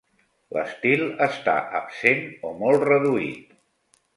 L'estil està absent o molt reduït.